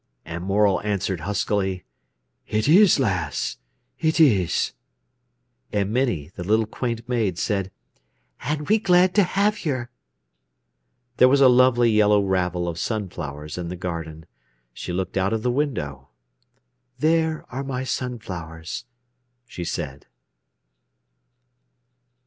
And Morel answered huskily: "It is, lass, it is." And Minnie, the little quaint maid, said: "An' we glad t' 'ave yer." There was a lovely yellow ravel of sunflowers in the garden. She looked out of the window. "There are my sunflowers!" she said.